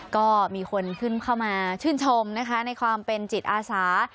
ก็มีคนเข้ามาชื่นชมนะคะในความเป็นจิตอาสา